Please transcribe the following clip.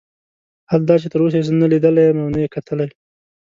حال دا چې تر اوسه یې زه نه لیدلی یم او نه یې کتلی.